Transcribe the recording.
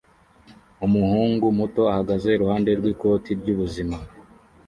Umuhungu muto ahagaze iruhande rw'ikoti ry'ubuzima